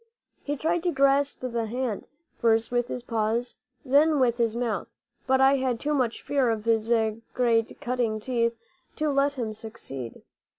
He tried to grasp the hand, first with his paws, then with his mouth; but I had too much fear of his great cutting teeth to let him succeed.